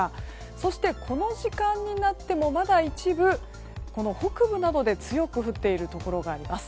そして、この時間になってもまだ一部北部などで強く降っているところがあります。